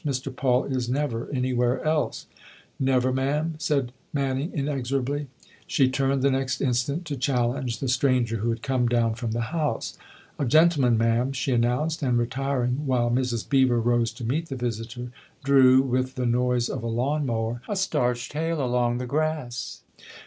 11 Mr. Paul is never anywhere else !"" Never, ma'am," said Manning inexorably. She turned the next instant to challenge the stranger who had come down from the house. " A gentleman, ma'am," she announced ; and, retiring while Mrs. Beever rose to meet the visitor, drew, with the noise of a lawn mower, a starched tail along the grass.